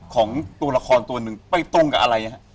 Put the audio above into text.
ของตัวละครตัวหนึ่งไปตรงกับอะไรฮะ